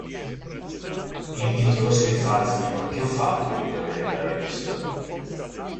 Il titolo si rifà al film "Che ho fatto io per meritare questo?